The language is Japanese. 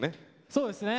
そうですね